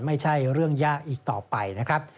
ไม่ใช่เรื่องยากอีกต่อไปนะครับ